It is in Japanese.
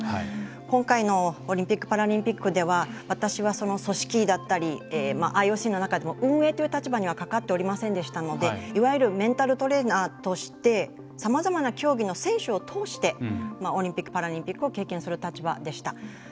今回のオリンピック・パラリンピックでは私は、その組織委だったりＩＯＣの中でも運営という立場には関わっておりませんでしたのでいわゆるメンタルトレーナーとしてさまざまな競技の選手を通してオリンピック・パラリンピックを経験する立場でした。